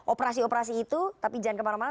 operasi operasi itu tapi jangan kemana mana